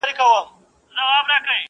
زما فال یې د حافظ په میخانه کي وو کتلی،